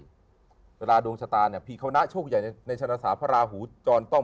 เวลาดวงชะตาเนี่ยพี่เขานะโชคใหญ่ในชนะสาพระราหูจรต้อง